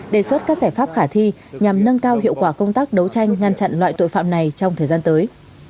đề xuất các giải pháp khả thi nhằm nâng cao hiệu quả công tác đấu tranh ngăn chặn loại tội phạm này trong thời gian tới